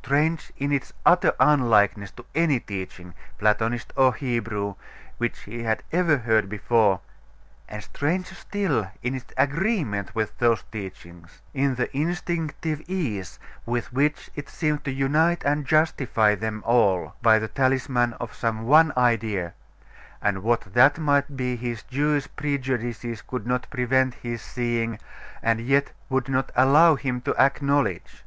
Strange in its utter unlikeness to any teaching, Platonist or Hebrew, which he had ever heard before, and stranger still in its agreement with those teachings; in the instinctive ease with which it seemed to unite and justify them all by the talisman of some one idea and what that might be, his Jewish prejudices could not prevent his seeing, and yet would not allow him to acknowledge.